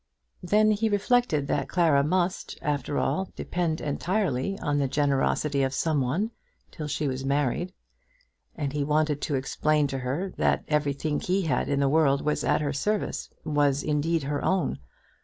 Then he reflected that Clara must, after all, depend entirely on the generosity of some one till she was married; and he wanted to explain to her that everything he had in the world was at her service, was indeed her own.